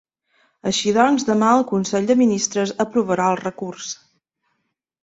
Així doncs, demà el consell de ministres aprovarà el recurs.